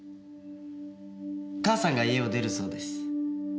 母さんが家を出るそうです。